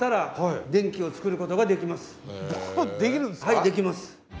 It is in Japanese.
はいできます。